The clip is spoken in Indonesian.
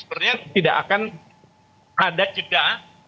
sepertinya tidak akan ada cedera